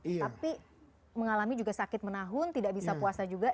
tapi mengalami juga sakit menahun tidak bisa puasa juga